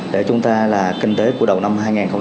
để chúng ta là kinh tế của đầu năm hai nghìn hai mươi